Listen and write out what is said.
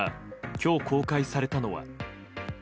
今日公開されたのは。